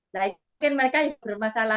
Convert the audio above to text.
mungkin mereka bermasalah